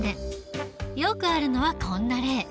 よくあるのはこんな例。